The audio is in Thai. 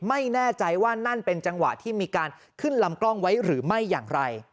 ไม่แน่ใจว่านั่นเป็นจังหวะที่มีการขึ้นลำกล้องไว้หรือไม่อย่างไร